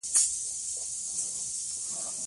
عمران ډېر سوست انسان ده.